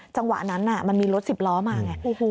จังหวะนั้นมันมีรถสิบล้อมาไง